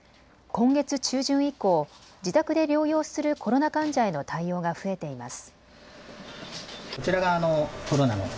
今月中旬以降、自宅で療養するコロナ患者への対応が増えています。